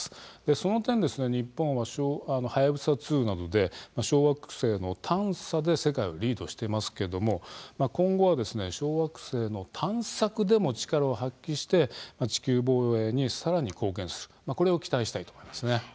その点、日本ははやぶさ２などで小惑星の探査で世界をリードしていますけれども今後は小惑星の探索でも力を発揮して地球防衛にさらに貢献するこれを期待したいと思います。